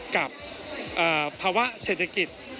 กับภาวะเศรษฐกิจ